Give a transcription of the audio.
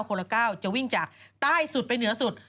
คนละ๙จะวิ่งจากใต้สุดไปเหนือสุด